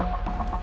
nanti aku kasih tau